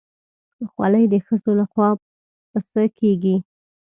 خولۍ د ښځو لخوا پسه کېږي.